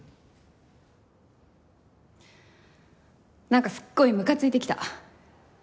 なんかすっごいムカついてきた！